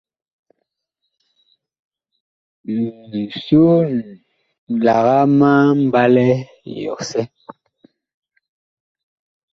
Soon, lagaa ma mbalɛ yɔsɛ.